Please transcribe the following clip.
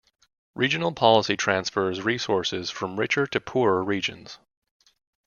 Regional policy transfers resources from richer to poorer regions.